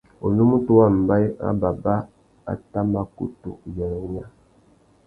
Unúmútú wa mbaye râ baba a tà mà kutu uyêrê wunya.